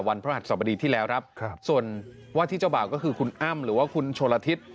พระหัสสบดีที่แล้วครับส่วนว่าที่เจ้าบ่าวก็คือคุณอ้ำหรือว่าคุณโชลทิศ